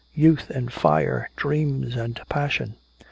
Youth and fire, dreams and passion....